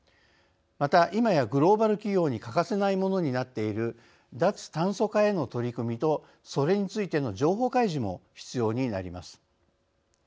また、今やグルーバル企業に欠かせないものになっている脱炭素化への取り組みとそれについての情報開示も必要になります。